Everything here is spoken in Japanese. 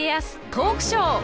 トークショー。